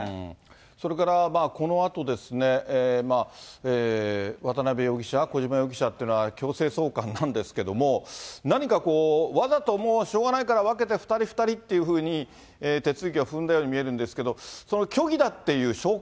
それから、このあとですね、渡辺容疑者、小島容疑者っていうのは、強制送還なんですけども、何かこう、わざともう、しょうがないから分けて２人、２人っていうふうに手続きを踏んだように見えるんですけど、虚偽だっていう証拠？